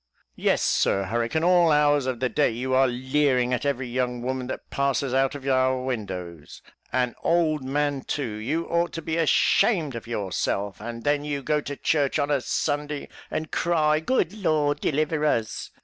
Yes, Sir Hurricane, all hours of the day you are leering at every young woman that passes, out of our windows and an old man too; you ought to be ashamed of yourself and then you go to church of a Sunday, and cry, 'Good Lord, deliver us.'"